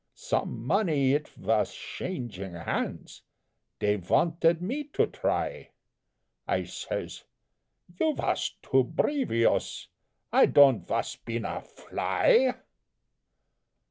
Some money id vas shanging hands, Dhey vanted me to try I says: "You vas too brevious, I don'd vas been a fly!"